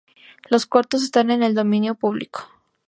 Los cortos están en el Dominio Publico.